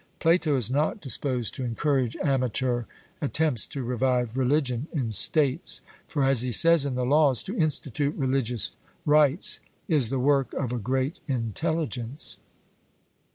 Plato is not disposed to encourage amateur attempts to revive religion in states. For, as he says in the Laws, 'To institute religious rites is the work of a great intelligence.'